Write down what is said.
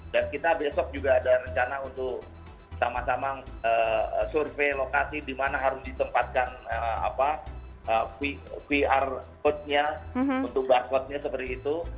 dan kita besok juga ada rencana untuk sama sama survei lokasi di mana harus ditempatkan vr code nya untuk barcode nya seperti itu